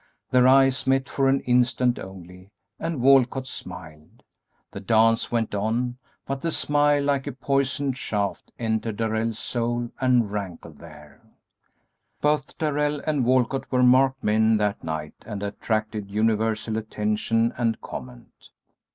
Their eyes met for an instant only, and Walcott smiled. The dance went on, but the smile, like a poisoned shaft, entered Darrell's soul and rankled there. Both Darrell and Walcott were marked men that night and attracted universal attention and comment.